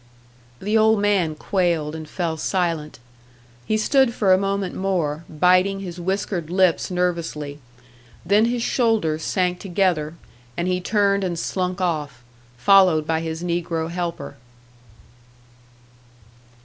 The old man quailed and fell silent. He stood for a moment more, biting his whiskered lips nervously; then his shoulders sank together, and he turned and slunk off, followed by his negro helper.